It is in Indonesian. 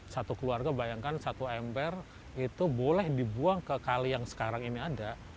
satu keluarga bayangkan satu ember itu boleh dibuang ke kali yang sekarang ini ada